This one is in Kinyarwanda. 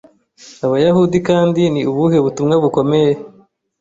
Abayahudikandi ni ubuhe butumwa bukomeye